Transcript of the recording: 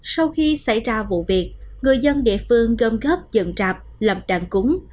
sau khi xảy ra vụ việc người dân địa phương gom góp dựng trạp lập đàn cúng